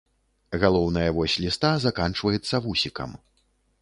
Галоўная вось ліста заканчваецца вусікам.